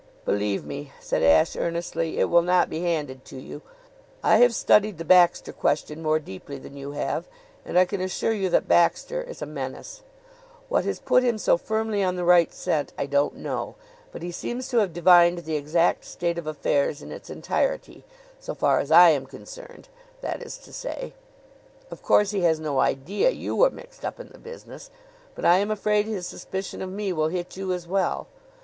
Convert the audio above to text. "Believe me," said Ashe earnestly, "it will not be handed to you. I have studied the Baxter question more deeply than you have, and I can assure you that Baxter is a menace. What has put him so firmly on the right scent I don't know; but he seems to have divined the exact state of affairs in its entirety so far as I am concerned, that is to say. Of course he has no idea you are mixed up in the business; but I am afraid his suspicion of me will hit you as well.